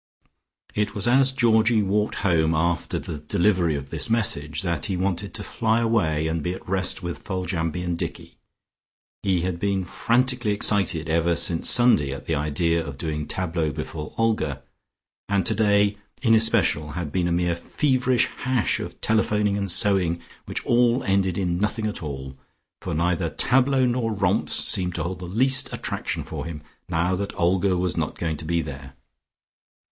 It was as Georgie walked home after the delivery of this message that he wanted to fly away and be at rest with Foljambe and Dicky. He had been frantically excited ever since Sunday at the idea of doing tableaux before Olga, and today in especial had been a mere feverish hash of telephoning and sewing which all ended in nothing at all, for neither tableaux nor romps seemed to hold the least attraction for him now that Olga was not going to be there.